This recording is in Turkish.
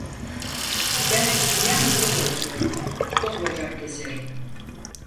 Ben yalnız operatörüm, kol, bacak keserim.